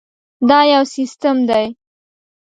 دا یو سیسټم دی.